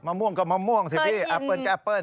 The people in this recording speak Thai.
มะม่วงกับมะม่วงสิวี้แอปเปิ้ลกับแอปเปิ้ล